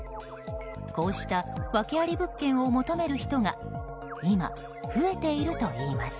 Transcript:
こうしたワケあり物件を求める人が今、増えているといいます。